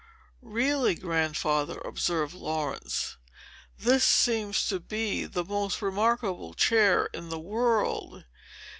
"Really, Grandfather," observed Laurence, "this seems to be the most remarkable chair in the world.